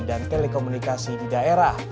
dan telekomunikasi di daerah